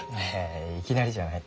いきなりじゃない。